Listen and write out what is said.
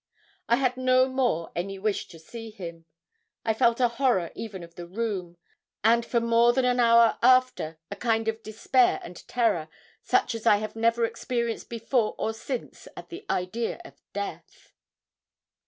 I had no more any wish to see him. I felt a horror even of the room, and for more than an hour after a kind of despair and terror, such as I have never experienced before or since at the idea of death.